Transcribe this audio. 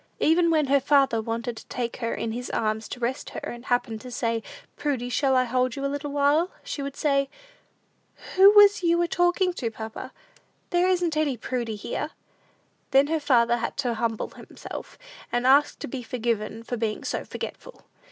Even when her father wanted to take her in his arms to rest her, and happened to say, "Prudy, shall I hold you a little while?" she would say, "Who was you a talkin' to, papa? There isn't any Prudy here!" Then her father had to humble himself, and ask to be forgiven for being so forgetful.